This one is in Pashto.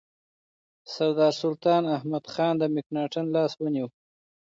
سردار سلطان احمدخان د مکناتن لاس ونیو.